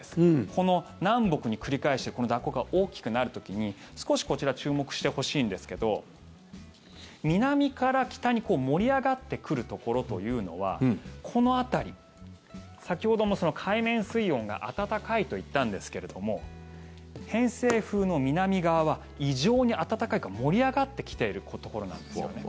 この南北に繰り返している蛇行が大きくなる時に少しこちら注目してほしいんですけど南から北に盛り上がってくるところというのは、この辺り先ほども、海面水温が暖かいと言ったんですけども偏西風の南側は異常に暖かい空気が盛り上がっているところなんです。